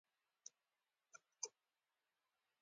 ويې ويل خير دى نبض به يې زه وګورم.